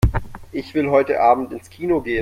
Ich will heute Abend ins Kino gehen.